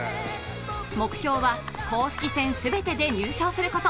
目標は公式戦全てで入賞すること。